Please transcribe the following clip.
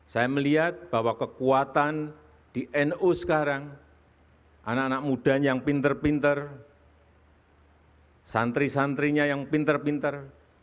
saya melihat bahwa kekuatan di nu sekarang anak anak muda yang pinter pinter santri santrinya yang pinter pinter